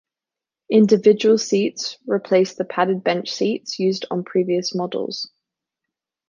Individual seats replaced the padded bench seats used on previous models.